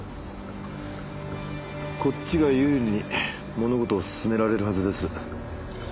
こっちが有利に物事を進められるはずです。